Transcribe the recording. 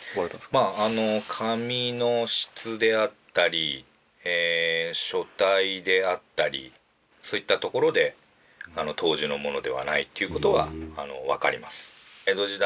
まあ紙の質であったり書体であったりそういったところで当時のものではないっていう事はわかります。